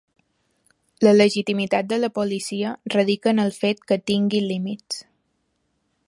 La legitimitat de la policia radica en el fet que tingui límits.